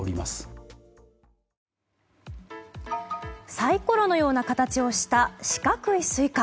サイコロのような形をした四角いスイカ。